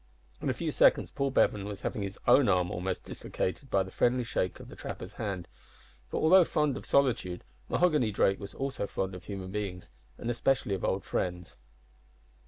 In a few seconds Paul Bevan was having his own arm almost dislocated by the friendly shake of the trapper's hand, for, although fond of solitude, Mahoghany Drake was also fond of human beings, and especially of old friends.